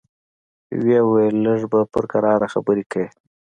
ويې ويل لږ به په کراره خبرې کيې.